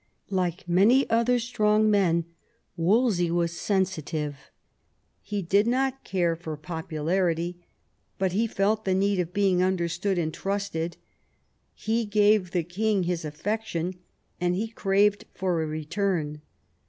Like many other strong men, Wolsey was sensitive. He did not care for popu larity, but he felt the need of being understood and trusted. He gave the king his affection, and he craved for a return.